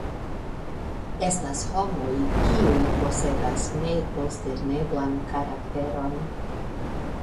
Estas homoj, kiuj posedas nekonsterneblan karakteron.